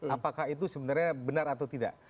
apakah itu sebenarnya benar atau tidak